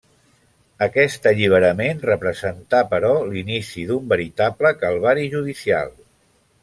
Aquest alliberament representà, però, l'inici d'un veritable calvari judicial.